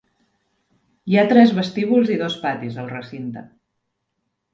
Hi ha tres vestíbuls i dos patis al recinte.